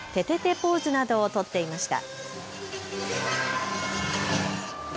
ポーズなどを取っていました。